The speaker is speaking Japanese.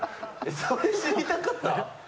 それ知りたかった？